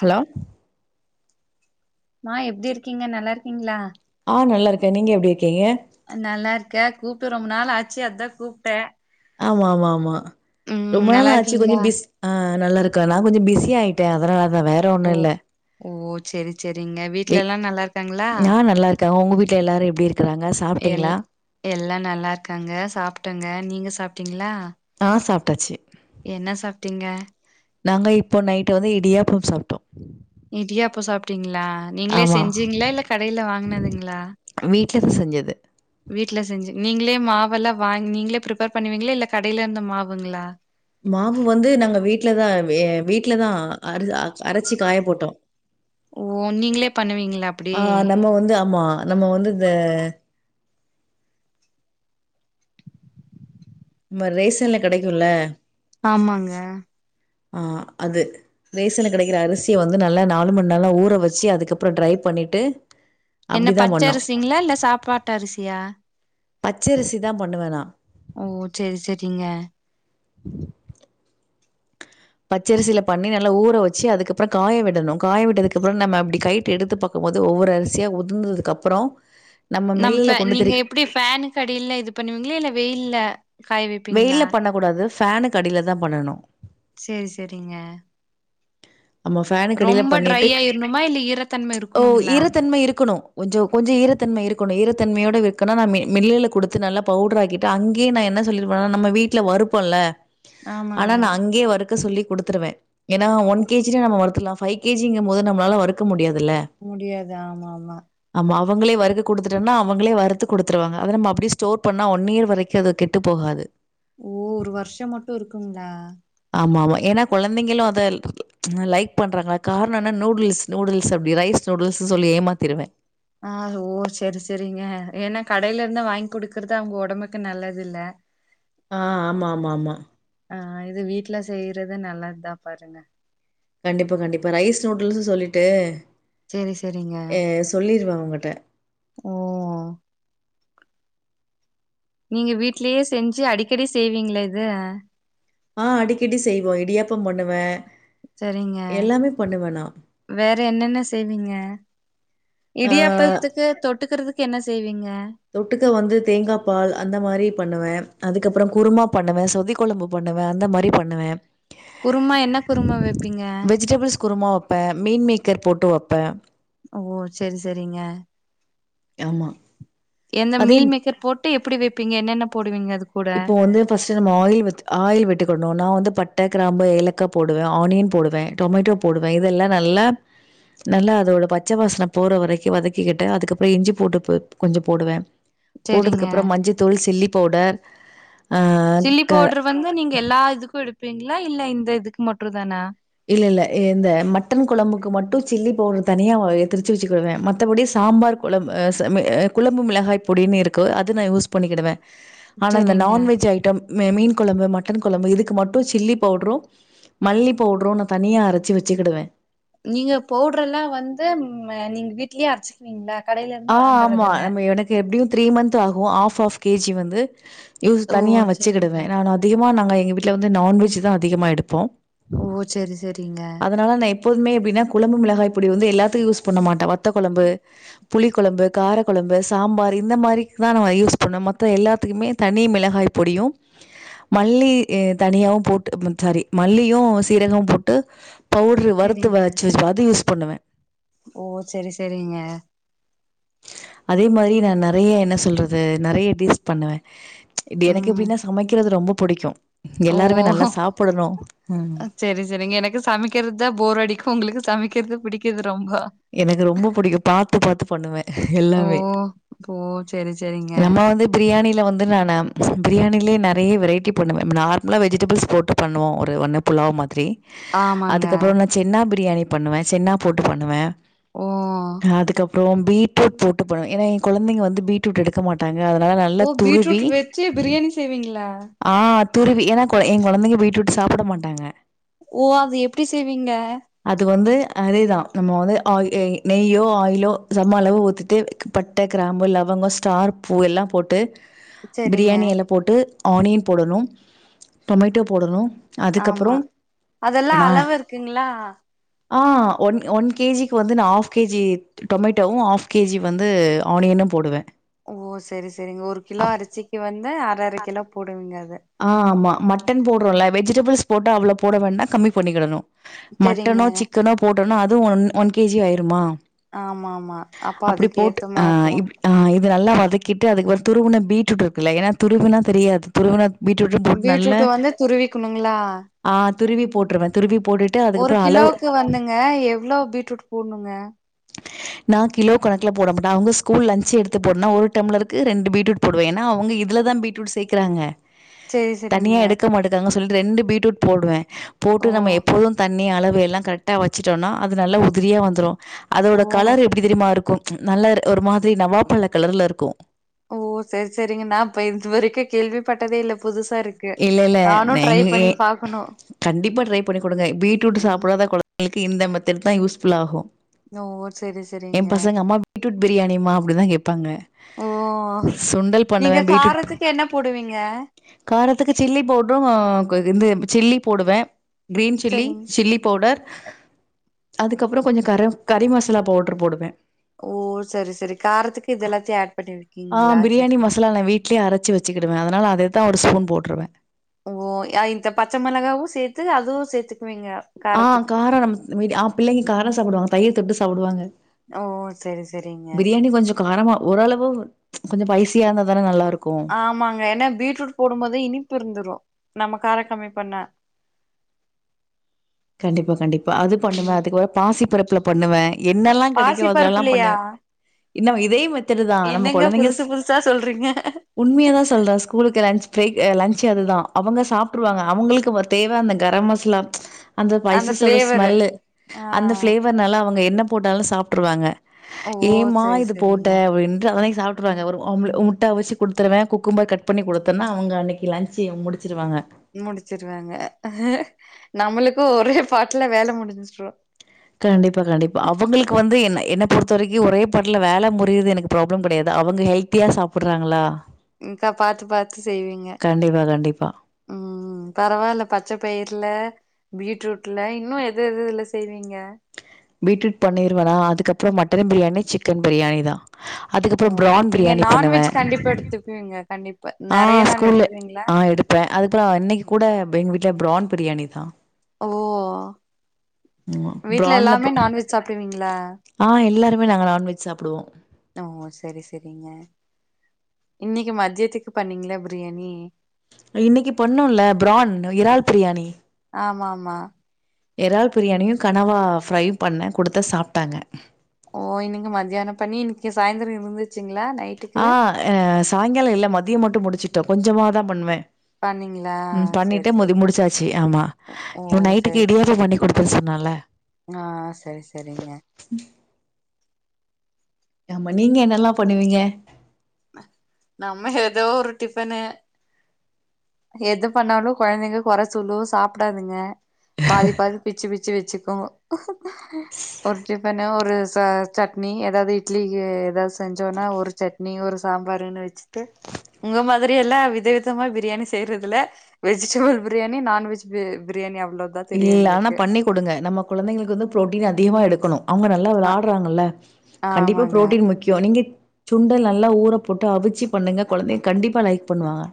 Hello மா எப்டி இருக்கீங்க நல்லா இருக்கீங்களா ஆஹ் நல்லா இருக்கே நீங்க எப்டி இருக்கீங்க க்கே கூப்டு ரொம்ப நாள் ஆச்சு அதா கூப்டே ஆமா ஆமாம்மா ரொம்ப நாள நல்லா ஆச்சு இருக்கீங்களா கொஞ்சோ பிஸ் ஆஹ் நா நல்லா இருக் நா கொஞ்சோ பிஸி ஆயிட்ட அதனாலத் அதான் வேற ஓ ஒண்ணு இல்ல ஓ செரி செரிங்க வீட்டு்ல எல்லா நல்லா இருக்காங்களா கே உங்க வீட்டு எல்லாரும் எப்டி இருக் எல் எல்லா நல்லா இருக்காங்க சாப்பட்டங்க நீங்க சாப்டீங்களா ஆஹ் சாப்டாச்சு என்ன சாப்டீங்க நாங்க இப்போ நைட் வந்து இடியாப்பம் சாப்டோ இடியாப்போ சாப்டீங்களா நீங்களே ஆமா செஞ்சீங்களா இல்ல கடையில வாங்கனதுங்களா வீட்லதா செஞ்சது வீட்ல செஞ்சு நீங்களே மாவெல்லாம் வாங்கி நீங்களே ஃபிரிப்பேர் பண்ணுவீங்களா இல்ல கடையில இருந் மாவுங்களா மாவு வந்து நாங்க வீட்டு்லதா எ வீட்டு்லதா அரசி அ அரைச்சு காய போட்டோ ஓ நீங்களே பண்ணுவீங்களா அப்டி ஆ நம்ம வந்து ஆமா நம்ம வந்து இந்த நம்ம ரேஷன்ல கிடைக்குல ஆமாங்க ஆஹ் அது ரேஷ்சன் கிடைக்கிற அரிசியை வந்து நல்லா நாலு மண் நல ஊற வச்சு அதுக்கப்புற் ட்ரை பண்ணிட்டு என்ன அப்டிதா பச்ச பண்ணோ அரிசிங்களா இல்ல சாப்பாட்டு அரிசியா பச்சரிசி தா பண்ணுவே நா ஓ செரி செரிங்க பச்சரிசியில பண்ணி நல்லா ஊற வச்சு அதுக்கப்புறோ காய விடணு, காய விட்டதுக்குப்புறோ நம்ம அப்டி கைட்டு எடுத்து பாக்கு போது ஒவ்வொரு அரிசியா உதிந்ததுக்கு அப்புறோ நம் ஃபே நீங்க எப்புடி ஃபேனு கடில இது பண்ணுவீங்களா இல்ல வெயில்ல காய வைப்பீங்களா வெயில்ல பண்ணக் கூடாது ஃபேனுக் கடில தா பண்ணணு சேரி சேரிங்க ஆமா ஃபேனு கடில பண்ணிட்டு, ஆயிரணுமா இல்ல ஈரத்தன்மை ஓ இருக்கணுங்களா ஈரத்தன்மை இருக்குணு கொஞ்சோ கொஞ்சோ ஈரத்தன்மை இருக் கொண்ட ஈரத்தன்மையோட வெக்க நா மில் மில்லுல குடுத்து நல்லா பவுடர் ஆக்கீட்டு அங்கேயே நா என்ன சொல்லிருப்பனா நம்ம வீட்ல வறுப்போல்ல ஆமாங்க ஆனா நா அங்கயே வருக் க்க சொல்லி் குடுத்துருவே. ஏன்னா ஒன் ஒ கே ஜினா நம்ம வருத்துற்லா ஃபைவ் கே ஜிங்க போது நம்மளால வறுக்க முடியாத் முடியாது ஆமா ஆமா ஆமா, அவங்களே வறுக்க குடுத்துட்டோன்னா அவங்களே வறுத்து குடுத்துருவாங்க அத நம்ம அப்டியே ஸ்டோர் பண்ணா ஒன் இயர் வரைக்கு அது கெட்டு போகாது. ஓ ஒரு வருஷம் மட்டு இருக்குங்ளா ஆமாமா ஏனா குழந்தைங்களும் அத லைக் பண்றாங்களா காரணம் என்னா நூடுல்ஸ் நூடுல்ஸ் அப்டி ரைஸ் நூடுல்ஸ்ன்னு சொல்லி ஏமாத்தீருவே ஆ ஓ சரி சரிங்க ஏன்னா கடையில இருந்து வாங்கி குடுக்குறது அவங்க உடம்புக்கு நல்லது இல்ல ஆ ஆமா ஆமா ஆமா ஆ இது வீட்ல செய்றது நல்லதுதா பாருங்க கண்டிப்பா கண்டிப்பா ரைஸ் நூடுல்ஸு சொல்லிட்டு சேரி சேரிங்க ஊங்கட்ட ஓ நீங்க வீட்லயே செஞ்சு அடிக்கடி செய்வீங்ளா இத ஆ அடிக்கடி செய்வோ இடியாப்போ பண்ணுவே சரிங்க வேற என்னென்ன செய்வீங்க ஆ சரி. இடியாப்பத்துக்கு தொட்டுக்குறதுக் கென்ன செய்வீங்க தொட்டுக்க வந்து தேங்கா பால் அந்த மாரி பண்ணுவே அதுக்கப்பறோ குருமா பண்ணுவே, சொதி குழம்பு பண்ணுவே, அந்த மாரி பண்ணுவே குருமா என்ன குருமா வைப்பீங்க வெஜிடபிள்ஸ் குருமா வப்பே மீன் மேக்கர் போட் ட்டுவப்பே ஓ சரி சரிங்க ஆமா. எந்த அதே மீல் மேக்கர் போட் ட்டு எப்புடி வெப்பீங்க என்னென்ன போடுவீங்க அத் இப்போ வந்து ஃபர்ஸ்ட் நம்ம ஆயில் வித் ஆயில் விட்டுக்கணு நா வந்து பட் ட்ட, கிராம்பு, ஏலக்கா போடுவே, ஆனியன் போடுவே, டொமேட்டோ போடுவே, இதெல்லா நல்லா நல்லா அதோட பச்ச வாசன போற வரைக்கு வதக்கிக்கிட்டு அதுக்கப்பறோ இஞ்சி பூண்டு புப் கொஞ்சோ போடுவே சரிங்க போட்டதுக்கு அப்றோ மஞ்சதூள், சில்லி பவுடர் ஆ சில்லி க பவுடர் வந்து நீங்க எல்லா இதுக்கு ளிப்பீங்களா இல்ல இந்த இதுக்கு மட்டு தானா இல்ல இல்ல. இந்த மட்டன் குழம்புக்கு மட்டும் சில்லி பவுடர் தனியா திருச்சு வெச்சுக்கவங்க. மத்தபடி சாம்பார், குழம்பு, ஆஹ் ச ம ஆஹ் குழம்பு மிளகாய் பொடின்னு இருக்கு. அது நான் யூஸ் பண்ணிக்கிடுவே. ஆனா, இந்த சரிங்க நான்வெஜ் ஐட்டம், மீன் குழம்பு, மட் மட்டன் குழம்பு. இதுக்கு மட்டும், சில்லி பவுடரும் மல்லிப் பவ்ட்ரும், நா தனியா அரச்சி வச்சுக்கிடுவே. நீங்க பவுடர் எல்லாம் வந்து, நீங்க வீட்லயே அரைச்சுக்குவீங்களா? கடையில இருந்து ஆஹ் வாங்கறது ஆமா. இல்ல நம்ம எனக்கு எப்படியும் த்ரீ மன்ந்த் ஆகும். ஆப் ஆப் கேஜி வந்து. யூஸ் ஓ தனியா சரிங்க வச்சுக்கிடுவே. நானு அதிகமா நாங்க எங்க வீட்டுல வந்து, நான்வெஜ் தான் அதிகமா எடுப்போம். ஓ செரி செரிங்க. எப்பதுமே எப்பின்னா, குழம்பு மிளகாய் பொடி வந்து எல்லத்துக்கும் யூஸ் பண்ண மாட்ட. வத்த கொழம்பு புளிக் கொழம்பு, காரக் கொழம்பு, சாம்பார், இந்த மாரிக்குதா நா யூஸ் பண்ணோம். மத்த எல்லாத்துக்குமே தனி மிளகாய் பொடியும், மல்லி தனியாவும் போட்டு, சேரி மல்லியும் சீரகமும் போட்டு பவுடரு வறுத்து சரிங்க வச்சு அது யூஸ் பண்ணுவ ஓ. சரி சரிங்க. அதே மாரி நா நெறய என்ன சொல்றது, நெறய டிஷ் பண்ணுவே இப்டி எனக்கு ம் எப்படின்னா, சமைக்கிறது ரொம்பப் புடிக்கும் ஓ ஓஹோ ம். சரி சரிங்க. எனக்கு சமைக்கறதுதா போர் அடிக்கும். உங்களுக்கு சமைக்கிறது பிடிக்காது. எனக்கு ரொம்ப புடிக்கும். பாத்து பாத்து பண்ணுவ ஓ [unintelligible] ஓ செரி செரிங்க நம்ம வந்து, பிரியாணில வந்து, வந்து நானு, பிரியாணிலயே நெறைய வெரைட்டி பண்ணுவ. நார்மலா வெஜிடபிள்ஸ் போட்டு பண்ணுவோ. ஒரு [unintelligible] ஆமாங்க அதுக்கப்புற நா சென்னா பிரி பிரியாணி பண்ணுவே. சென்னா போட்டு பண்ணுவே. ஓ அதுக்கப் அப்புறம் பீட்ரூட் போட்டு [unintelligible] போனம் ஏன்னா என் குழந்தை வந்து பீட்ரூட் எடுக்க மாட்டாங்க அதனால நல்லா ஓ துருவி பீட்ரூட் வச்சு பிரியாணி செய்வீங்களா ஆ துருவி. ஏன்னா, கு என் கொழந்தைங்க பீட்ரூட்டு சாப்பிட மாட்டாங்க. ஓ. அது எப்படி செய்வீங்க? அது வந்து, அதேதா நம்ம வந்து [unintelligible] நெய்யோ ஆயிலோ சம அளவு ஊத்திட்டு, பட்டை, கிராம்பு, லவங்கம், ஸ்டார் பூ, எல்லாம் போட்டு செரிங்க பிரியாணி எல போட்டு ஆனியன் போடணும். டொமேட்டோ போடணும். ஆமா அதுக்கப்புறம் அதெல்லா நா அளவு இருக்குங்ளா? ஆ ஒன் ஒன் கே ஜி க்கு வந்து நான் ஆஃப் கே ஜி டொமேட்டோவு ஆஃப் கே ஜி வந்து ஆனியனு போடுவே ஓ சரி சரிங் ஒரு கிலோ அரிசிக்கி வந் து அர அர கிலோ போடுவீங்க இத ஆ ஆமா. மட்டன் போட்றோல்ல வெஜ்ஜிடபிள்ஸ் போட்டா அவ்ளோ போட வேண்டா கம்மி பண்ணிக்கிடணு செரிங்க மட்டனோ சிக்கனோ போட் டொனா அதுவு ஒன் ஒன் கேஜி ஆய்ருமா ஆமா ஆமா அப்ப அதுக்கேத்தா ஆ மா போன் இப் ஆ இது நல்லா வதக்கிட்டு அதுக் ஒரு துருவுன பீட்ரூட் இருக்குல்ல ஏன்னா துருகுனா தெரியாது துருவுனா பீட்ரூட்டு வந்து துருவிக்குணுங்ளா ஆ துருவி போட்ருவ துருவி போட்டுட்டு ஒரு அதுக்கப்புறம் அளவு கிலோவுக்கு வந்துங்க எவ்ளோ பீட்ரூட் போட்ணுங்க நா கிலோ கணக்ல போட மாட்ட அவ்ங்க ஸ்கூல் லஞ்ச்சு எடுத்து போன்னா ஒரு டம்ளருக்கு ரெண்டு பீட்ருட் போடுவே ஏன்னா அவுங்க இத் த்லதா பீட்ரூட் சேக்குறாங்க செரி செரிங்க தனியா எடுக்க மாட்டுக்காங்க [unintelligible] ரெண்டு பீட்ரூட் போடுவே போட்டு ஓ நம்ம எப்போது தண்ணி அளவு எல்லா கரெக்ட்டா வச்சுட்டோனா அது நல்ல உதிரியா வந்துரு ஓ அதோட கலர் எப்டி தெரியுமா இருக்கு நல்ல ஒரு மாத்ரி நவ்வாப்பழ கலர்ல இருக்கு ஓ செர் செரிங்க நா இப்ப இது வரைக்கு கேள்விப்பட்டதே இல்ல புதுசா இருக்கு இல்லெல்ல நானு ட்ரை நீங்கே பண்ணி பாக்கணு கண்டிப்பா ட்ரை பண்ணி குடுங்க பீட்ரூட்டு ம் சாப்புடாத கொழந்தைங்களுக் கு இந்த மெத்தட் தா யூஸ் ஃபுல்லாகு ஓ செரி எம் செரிங்க பசங்க அம்மா பீட்ரூட் பிரியாணிமா அப்டிதா கேப்பாங்க ஓ சுண்டல் பண்ணுவே நீங்க பீட்ரூட் காரத்துக்கு என்ன போடுவீங்க காரத்துக்கு சில்லி பௌவ்ட்ரு அ கு இது சில்லி போடுவே க்ரீன் சில்லி செரிங்க சில்லி பௌவ்டர் அதுக்கப்றோ கொஞ்சொ கர கறி மசாலா பௌவ்ட்ரு போடுவே ஓ சரி சரி காரத்துக்கு இதெல்லாத்தையு ஆட் ஆ பண்ணிருக்கீங்களா செரி பிரியாணி செரி மசாலா நா வீட்லயே அரச்சி வச்சுகிடுவ அதனால அத த்தா ஒரு ஸ்பூன் போட்ருவே ஓ ய இந்த பச்ச மெளகாவு சேத்து அதுவு சேத்து ஆ கார [unintelligible] ஆ பிள்ளைங்க காரொ சாப்புடுவாங்க தயிர் தொட்டு சாப்புடுவாங்க ஓ செரி செரிங்க பிரியாணி கொஞ்சொ காரமா ஓரளவு கொஞ்சோ பைசியா இருந்த தான நல்லாரு ஆமாங்க ஏன்னா பீட்ரூட் போடும்போது இனிப்பு இருந்துரு நம்ம கார கம்மி பண்ண கண்டிப்பா கண்டிப்பா அது பண்ணுவே அதுக்கப்ற பாசிப் பருப்புல பண்ணுவே என்னெல்லா கெடைக்கு பாசி அதுலலா பருப்புலயா? பண்ணுவே இன்ன இதே மாத் திரி தா நம்ம என்னங்க கொழந்தைங்கஸ் புதுசு புதுசா சொல்றீங்க? உண்மையா தா சொல்ற ஸ்கூலுக்கு லன்ச் பிரேக் அ லன்ச் ச் அதுதா அவங்க சாப்ட்ருவாங்க அவ்ங்களுக்கு வர் தேவ அந்த கரம் மஸ்லா அந்த பைசஸோட ஸ்மெல்லு ஆ. அந்த ஃப்ளேவர்னால அவங்க என்ன போட்டாலு சாப் ட்டுருவாங்க ஓ! ஏமா சரி, இது சரிங்க. போட்ட அப்டின்ட்டு அதனை சாப்ட் ட்ருவாங்க ஒரு ஆம்ல முட்ட அவிச்சு குடுத்துருவே குக்கும்பர் கட் பண்ணி குடுத்தன்னா அவ்ங்க அன்னக்கி லன்ச்சு முடிச்சுருவாங்க முடிச்சிருவாங்க அஹே நம்மளுக்கு ஒரே பாட்ல வேல முடிஞ்சுரு கண்டிப்பா கண்டிப்பா அவுங்களுக்கு வந்து என்ன என்ன பொறுத்த வரைக்கு ஒரே பாட்ல வேல முடிது எனக்கு ப்ராப்ளம் கெடையாது அவங்க ஹெல்த்தியா சாப்பிட்றாங்களா இன்கா பாத்த பாத்து செய்வீங்க கண்டிப்பா, கண்டிப்பா. உம் பரவால்ல பச்ச பயிர்ல பீட்ரூட்ல இன்னு எது எது எதுல செய்வீங்க பீட்ரூட் பண்ணிருவனா அதுக்கப்ற மட்டன் பிரியாணி சிக்கன் பிரியாணி தா ஓ! அதுக்கப்ற ப்ரான் நீங்க பிரியாணி பண்ணுவே நான்வெஜ் கண்டிப்பா எடுத்துக்குவீங்க. கண்டிப்பா. நெறைய ஆஹ் நாள் ஸ்கூல்ல எடுத்துக்குவீங்களா? ஆ எடுப்பே அதுப்றோ இன்னைக்கு கூட வெங் வீட் ட்ல ப்ரான் பிரியாணி தா ஓ! ம்மா வீட்ல ப்ரான்ல எல்லாமே போ நான்வெஜ் சாப்டுவீங்ளா நாங்க நான்வெஜ் சாப்பிடுவோம். ஓ செரி செரிங்க இன்னைக்கு மத்யத்துக்கு பண்ணீங்ளா பிரியாணி இன்னைக்கு பொண்ணு இல்ல ப்ரான் அ இறால் பிரியாணி ஆமா ஆமா எறால் பிரியாணியு கனவா ஃப்ரையு பண்ண குடுத்த சாப்ட்டாங்க ஓ இன்னைக்கு மத்யான பண்ணி இன்னைக்கி சாய்ந்தர இருந்துச்சுங் ளா நைட்டுக்கு தாய்ங்கால இல்ல மதிய மட்டு முடிச்சுட்ட கொஞ்சமா தா பண்வே பண்ணீங்களா உம் பண்ணிட்ட சரி முதி சரி முடிச்சாச்சு ஆமா ஓ இன் நைட்டுக்கு இடியாப்ப பண்ணிக்குடு புதுசுனால ஆஹ் செரி செரிங்க ஆமா நீங்க என்னெல்லா பண்ணுவீங்க நம்ம எதோ ஒரு டிஃபனு எது பண்ணாலு கொழந்தைங்க கொற சொல்லு சாப்டாதுங்க பாதி பாதி பிச்சு பிச்சு வச்சுக்கு ஒரு டிஃபன்னு ஒரு ச சட்னி எதாவ்து இட்லிக்கு எதாவ்து செஞ்சோன்னா ஒரு சட்னி ஒரு சாம்பாருன்னு வச்சுட்டு உங்க மாதிரியெல்லா வித விதமா பிரியாணி செய் செய்றதுல வெஜ்டபிள் பிரியாணி நான்வெஜ் பி பிரியாணி அவ் இல்ல ஆனா பண்ணி குடுங்க நம்ம குழந்தைங்களுக்கு வந்து ப்ரோட்டீன் அதி கமா எடுக்கணு அவங்க நல்லா அ விளாட்றாங்கல்ல கண்டிப்பா ஆமாங்க புரோட்டீன் முக்கிய நீங்க சுண்டல் நல்லா ஊற போட்டு அவிச்சு பண்ணுங்க கொழந்தைங்க கண்டிப்பா லைக் பண்ணுவாங்க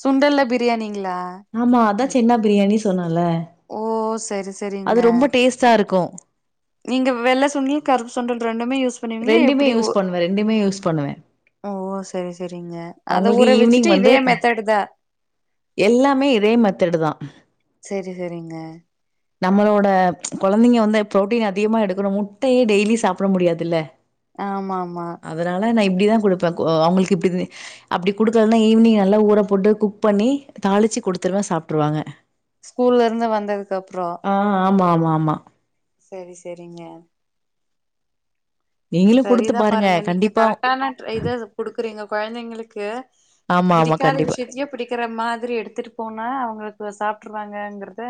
சுண்டல்ல பிரியாணிங்களா ஆமா. அதான் சென்னா பிரியாணி சொன்னல ஓ சரி சரிங்க இருக்கும். நீங்க வெள்ள சுண்டல் கருப்பு சுண்டல் ரெ ண்டுமே யூஸ் பண்ணுவிங்ளா எப்படி ஒ யூஸ் பண்ணுவேன். யூஸ் பண்ணுவேன். ஓ சரி சரி செரிங்க அத அவங்களுக்கு ஈவ்னிங் ஊறவெச்சுட்டு வந்து இதே மெத்தேடுதா எல்லாமே இதே மெத்தேடுதா செரி செரிங்க நம்மளோட கொழந்தைங்க வந்து புரோட்டீன் அதிகமா எடுக்கணு முட்டையே டெய்லி சாப்பிட முடியாதுல்ல ஆமா ஆமா ப்டிதா குடுப்பே கோ அவங்களுக்கு இப்படி அப்படி குடுக்கலனா ஈவினிங் நல்லா ஊறப் போட்டு குக் பண்ணி தாளிச்சு குடுத்துருவே சாப்ட்ருவாங்க ஸ்கூல்ல இருந்து வந்ததுக்கு அப்ற ஆ ஆமா ஆமா ஆமா செரி செரிங்க நீங்களும் குடுத்து சரிதா பாருங்க நீங்க கண்டிப்பா கரெக்டான இத குடுக்கறிங்க கொழந்தைங்களுக் கு ஆமா ஆமா பிடிக்காத கண்டிப்பா விஷயத்தயே பிடிக்கிற மாதிரி எடுத்துட்டு போனா அவங்களுக்கு இவ்ளோ சாப்ட்டுர்ராங்கங்கிறத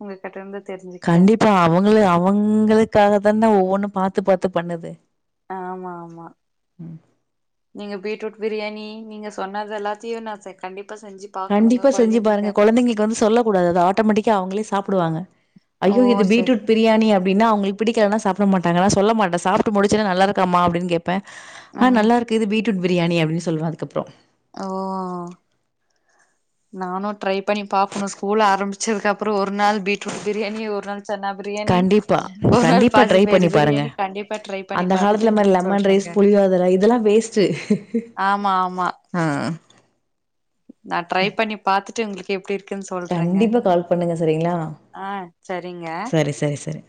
உங்ககிட்ட இருந்து தெரிஞ்சுக்கிட்டே கண்டிப்பா அவங்கள அவங்களுக்காக தான ஒவ்வொன்னு பாத்து பாத்து பண்ணது ஆமா ஆமா நீங்க பீட்ரூட் பிரியாணி நீங்க சொன்னதெல்லாத்தயு நா செ கண்டிப் கண்டிப்பா செஞ்சி பாருங்க கொழந்தைகளுக்கு வந்து சொல்லக்கூடாது அது ஆட்டோமேட்டிக்கா அவுங்களே சாப்டுவாங்க ஓ ஐயோ இது செரி பீட்ரூட் பிரியாணி அப் டின்னா அவுங்களுக்கு பிடிக்கலன்னா சாப்ட மாட்டங்க நா சொல்லமாட்டே சாப்ட்டு முடிச்ச ஒன்னே நல்லா இருக்காமா அப்டின்னு கேப் பே ஆ நல்லா இருக்கு இது பீட் ரூட் பிரியாணி அப்டின்னு சொல்லுவே அதுக்கப்பறோ ஓ நானு ட்ரை பண்ணி பாக்ணு ஸ்கூல் ஆரம்பிச்சதுக்கு அப்பறோ ஒரு நாள் பீட்ரூட் பிரியாணி ஒரு நாள் சென்னா பிரியாணி கண்டிப்பா. ஒரு நாள் கண்டிப்பா ட்ரை பாசிப்பயிறு பண்ணி பாருங்க. பிரியாணி கண்டிப்பா ட்ரை பண்ணி அந்த பாத்துட்டு காலத்துல மாரி உங்களுக்கு லெமன் ரைஸ், சொல்றேங்க புளியோதரை இதெல்லாம் வேஸ்ட்டு. ஆமா ஆமா ஆ. நா ட்ரை பண்ணி பாத்துட் டு உங்குளுக்கு எப்புடி இருக் கண்டிப்பா கால் பண்ணுங்க செரிங்களா ஆ சரிங்க செரி செரி செரி